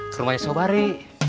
ke rumah nyi sobari